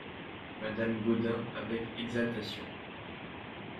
Madame Gaudin avec exaltation.